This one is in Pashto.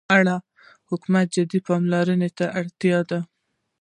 چې په دې اړه د حكومت جدي پاملرنې ته اړتيا ده.